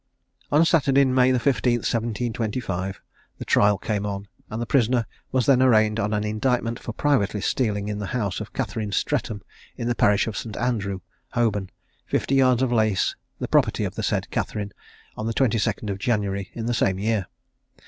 On Saturday, May 15, 1725, the trial came on, and the prisoner was then arraigned on an indictment for privately stealing in the house of Catherine Stretham, in the parish of St. Andrew, Holborn, fifty yards of lace, the property of the said Catherine, on the 22d of January in the same year.